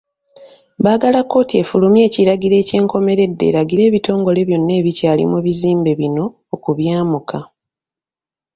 Baagala kkooti efulumye ekiragiro ekyenkomeredde eragire ebitongole byonna ebikyali mu bizimbe bino okubyamuka.